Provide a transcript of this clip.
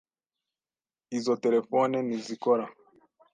Izo terefone ntizikora.